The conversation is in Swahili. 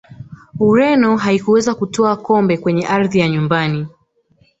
ureno haikuweza kutwaa kombe kwenye ardhi ya nyumbani